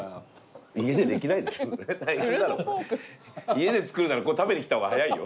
家で作るなら食べに来た方が早いよ。